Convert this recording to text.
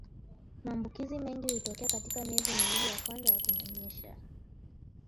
Maambukizi mengi hutokea katika miezi miwili ya kwanza ya kunyonyesha